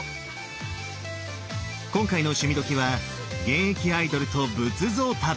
今回の「趣味どきっ！」は現役アイドルと仏像旅。